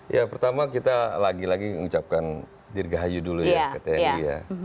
ya pertama kita lagi lagi mengucapkan dirgahayu dulu ya